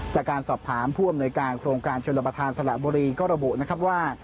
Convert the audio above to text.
จากสอบถามผู้อำนวยการโครงการชนรบทางสระบุรีก็ระบุว่า